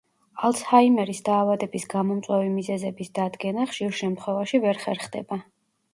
ალცჰაიმერის დაავადების გამომწვევი მიზეზების დადგენა, ხშირ შემთხვევაში, ვერ ხერხდება.